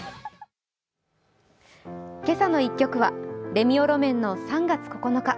「けさの１曲」はレミオロメンの「３月９日」。